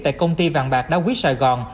tại công ty vàng bạc đa quý sài gòn